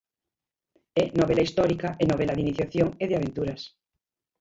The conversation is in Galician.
É novela histórica e novela de iniciación e de aventuras.